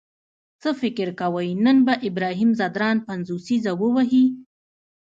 څه فکر کوئ نن به ابراهیم ځدراڼ پنځوسیزه ووهي؟